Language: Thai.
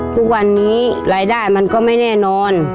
ทุกวันนี้รายได้มันก็ไม่แน่นอน